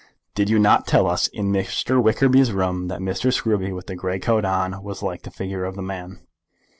"Did you not tell us in Mr. Wickerby's room that Mr. Scruby with the grey coat on was like the figure of the man?"